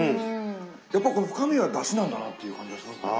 やっぱこの深みはだしなんだなぁっていう感じがしますね。